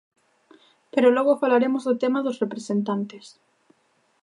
Pero logo falaremos do tema dos representantes.